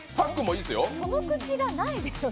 その口がないでしょう。